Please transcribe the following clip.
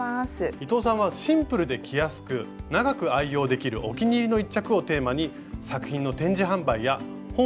伊藤さんはシンプルで着やすく長く愛用できるお気に入りの１着をテーマに作品の展示販売や本を多数出版されています。